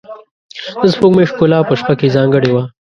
د سپوږمۍ ښکلا په شپه کې ځانګړې وه.